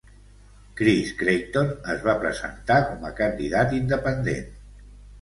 Chris Creighton es va presentar com a candidat independent.